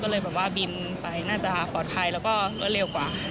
ก็เลยบินไปน่าจะปลอดภัยแล้วก็เร็วกว่า